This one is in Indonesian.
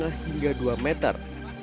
hingga dua meter